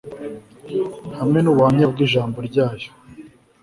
hamwe nubuhamya bwIjambo ryayo